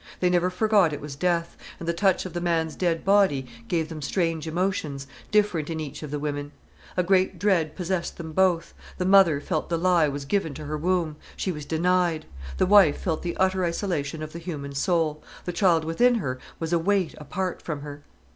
They never forgot it was death, and the touch of the man's dead body gave them strange emotions, different in each of the women; a great dread possessed them both, the mother felt the lie was given to her womb, she was denied; the wife felt the utter isolation of the human soul, the child within her was a weight apart from her.